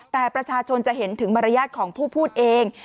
แต่ประชาชนจะเห็นถึงมารยาทของผู้พูดเอง